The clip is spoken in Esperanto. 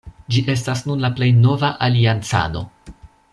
Ĝi estas nun la plej nova aliancano.